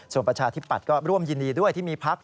ส่วนประชาธิปัตย์ก็ร่วมยินดีด้วยที่มีพัก